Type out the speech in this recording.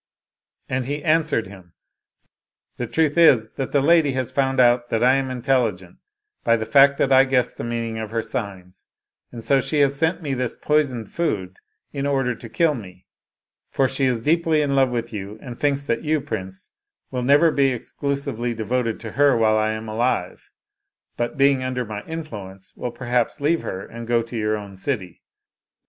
" And he answered him, '* The truth is that the lady has found out that I am intelligent, by the fact that I guessed the meaning of her signs, and so she has sent me this poisoned food in order to kill me, for she is deeply in love with you, and thinks that you, prince, will never be exclusively devoted to her while I am alive, but being under my influence, will per haps leave her, and go to your own city.